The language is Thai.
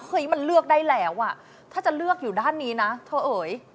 มันเลือกได้แล้วอ่ะถ้าจะเลือกอยู่ด้านนี้นะเธอเอ๋ย